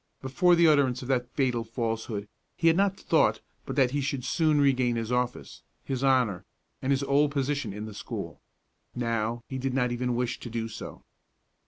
Before the utterance of that fatal falsehood he had not thought but that he should soon regain his office, his honor, and his old position in the school. Now he did not even wish to do so.